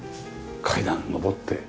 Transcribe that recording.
階段上って。